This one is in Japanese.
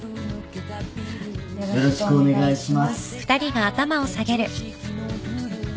よろしくお願いします。